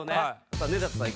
さあ根建さん